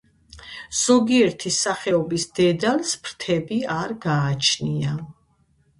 ზოგიერთი სახეობის დედალს ფრთები არ გააჩნია.